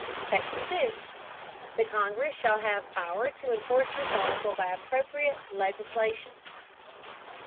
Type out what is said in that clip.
SECTION 2. The Congress shall have power to enforce this article by appropriate legislation.